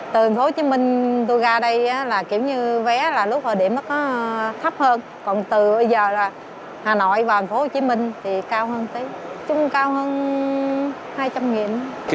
từ tp hcm tôi ra đây kiểu như vé lúc hồi điểm nó thấp hơn còn từ giờ là hà nội và tp hcm thì cao hơn tí chung cao hơn hai trăm linh nghìn